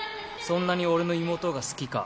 そんなに俺の妹が好きか？